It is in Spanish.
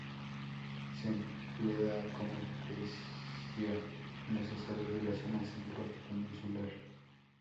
Se emplea como especia en los asados de la zona centro peninsular.